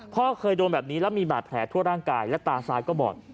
พ่อเคยโดนแบบนี้แล้วมีบาดแผลทั่วร่างกายและตาซ้ายก็บอด